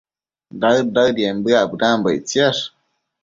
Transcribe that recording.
daëd-daëden bëac bedambo ictsiash